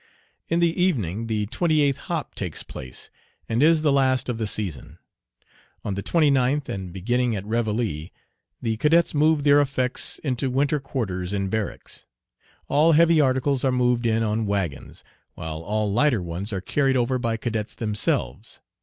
In the evening the "twenty eighth hop" takes place, and is the last of the season. On the 29th and beginning at reveille the cadets move their effects into winter quarters in barracks. All heavy articles are moved in on wagons, while all lighter ones are carried over by cadets themselves.